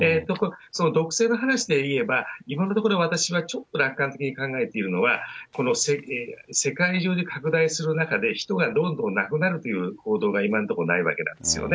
毒性の話で言えば、今のところ私はちょっと楽観的に考えているのは、この世界中で拡大する中で、人がどんどん亡くなるという報道が今のところないわけなんですよね。